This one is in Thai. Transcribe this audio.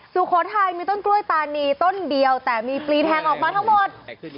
สุโขทัยมีต้นกล้วยตานีต้นเดียวแต่มีปลีแทงออกมาทั้งหมด